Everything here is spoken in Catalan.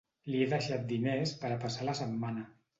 Li he deixat diners per a passar la setmana.